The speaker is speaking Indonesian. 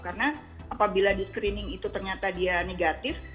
karena apabila di screening itu ternyata dia negatif